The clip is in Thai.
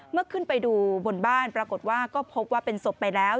ขึ้นไปดูบนบ้านปรากฏว่าก็พบว่าเป็นศพไปแล้ว